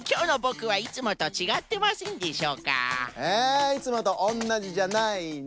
いつもとおんなじじゃないの？